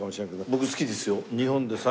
僕好きですよ。